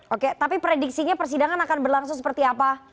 oke tapi prediksinya persidangan akan berlangsung seperti apa